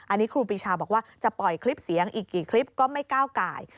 อันนี้ครูปีชาบอกว่าจะปล่อยคลิปเสียงอีกกี่คลิปก็ไม่ก้าวไก่